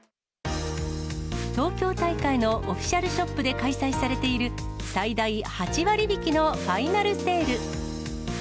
東京大会のオフィシャルショップで開催されている、最大８割引きのファイナルセール。